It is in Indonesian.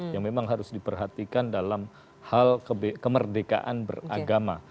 yang memang harus diperhatikan dalam hal kemerdekaan beragama